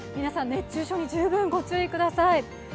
熱中症に十分ご注意ください。